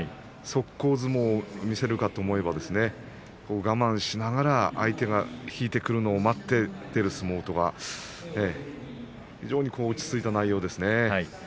速攻相撲を見せるかと思えば我慢しながら相手が引いてくるのを待って出る相撲とか非常に落ち着いた内容ですね。